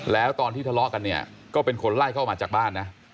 แล้วตอนที่ทะเลาะกันเนี่ยก็เป็นคนไล่เข้ามาจากบ้านนะ